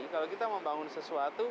kalau kita membangun sesuatu